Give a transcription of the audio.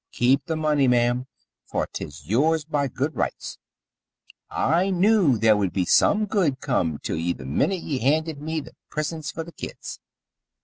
Keep th' money, ma'am, for 't is yours by good rights, and I knew there would some good come till ye th' minute ye handed me th' prisints for the kids.